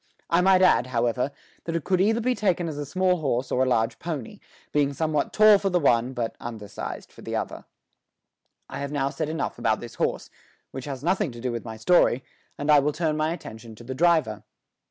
I might add, however, that it could either be taken as a small horse or as a large pony, being somewhat tall for the one, but undersized for the other. I have now said enough about this horse, which has nothing to do with my story, and I will turn my attention to the driver.